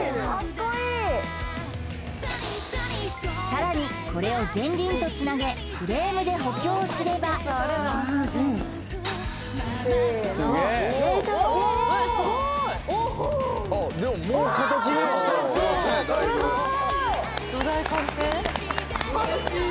さらにこれを前輪とつなげフレームで補強すればせーのよいしょわー！